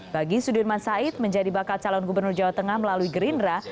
bagi sudirman said menjadi bakal calon gubernur jawa tengah melalui gerindra